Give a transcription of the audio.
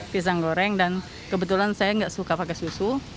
pisang goreng dan kebetulan saya nggak suka pakai susu